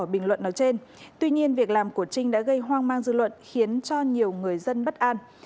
bình luận nói trên tuy nhiên việc làm của trinh đã gây hoang mang dư luận khiến cho nhiều người dân bất an